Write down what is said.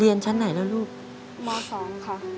เรียนชั้นไหนแล้วลูกม๒ค่ะ